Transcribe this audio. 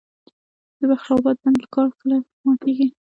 د بخش اباد بند کار کله ماتیږي؟